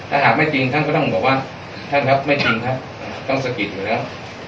ถ้าหากไม่จริงท่านก็ต้องบอกว่าท่านครับไม่จริงครับต้องสะกิดอยู่แล้ว